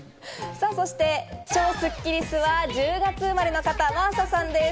そして超スッキりすは１０月生まれの方、真麻さんです。